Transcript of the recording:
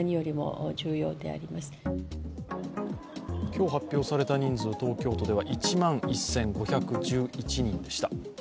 今日発表された人数、東京都では１万１５１１人でした。